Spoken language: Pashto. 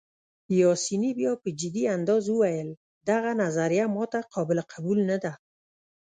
پاسیني بیا په جدي انداز وویل: دغه نظریه ما ته قابل قبول نه ده.